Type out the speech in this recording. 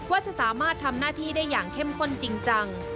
ว่าจะสามารถทำหน้าที่ได้อย่างเข้มข้นจริงจัง